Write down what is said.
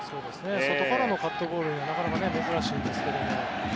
外からのカットボールはなかなか珍しいんですが。